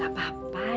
gak usah khawatir ya